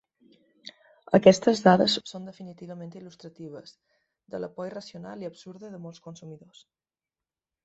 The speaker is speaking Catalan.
Aquestes dades són definitivament il·lustratives de la por irracional i absurda de molts consumidors.